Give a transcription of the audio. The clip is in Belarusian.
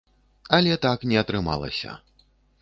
Але так не атрымалася.